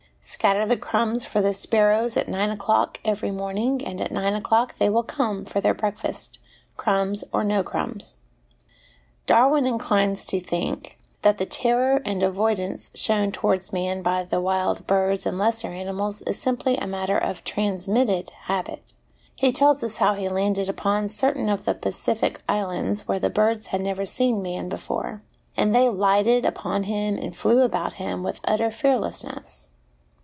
Scatter the 'HABIT IS TEN NATURES* 10? crumbs for the sparrows at nine o'clock every morn ing, and at nine o'clock they will come for their breakfast, crumbs or no crumbs. Darwin inclines to think that the terror and avoidance shown towards man by the wild birds and lesser animals is simply a matter of transmitted habit ; he tells us how he landed upon certain of the Pacific islands where the birds had never seen man before, and they lighted upon him and flew about him with utter fearlessness.